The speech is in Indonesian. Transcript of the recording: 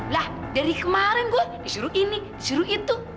lah dari kemarin gue disuruh ini disuruh itu